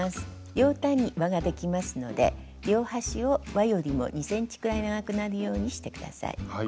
両端にわができますので両端をわよりも２ｃｍくらい長くなるようにして下さい。